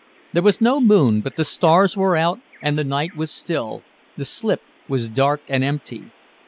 There was no moon but the stars were out and the night was still, the slip was dark and empty.